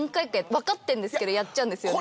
わかってるんですけどやっちゃうんですよね。